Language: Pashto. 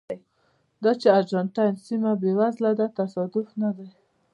دا چې ارجنټاین سیمه بېوزله ده تصادف نه دی.